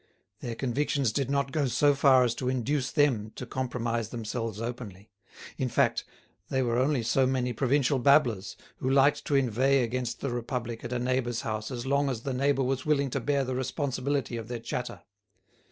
Their convictions did not go so far as to induce them to compromise themselves openly; in fact, they were only so many provincial babblers, who liked to inveigh against the Republic at a neighbour's house as long as the neighbour was willing to bear the responsibility of their chatter.